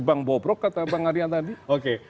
bank bobrok kata bank arya tadi oke